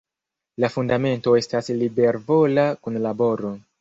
La fundamento estas libervola kunlaboro.